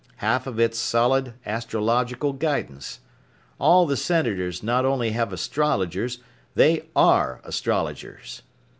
Half of it's solid astrological guidance. All the Senators not only have astrologers, they are astrologers.